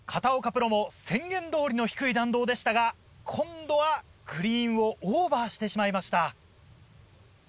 プロも宣言通りの低い弾道でしたが今度はグリーンをオーバーしてしまいました。